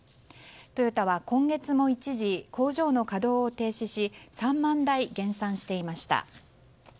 トヨタは今月も一時工場の稼働を停止し３万台、減産していました。